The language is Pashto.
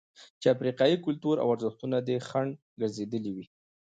چې افریقايي کلتور او ارزښتونه دې خنډ ګرځېدلي وي.